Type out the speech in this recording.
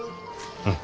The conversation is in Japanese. うん。